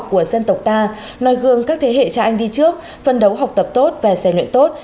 của dân tộc ta nòi gương các thế hệ cha anh đi trước phân đấu học tập tốt và giải luyện tốt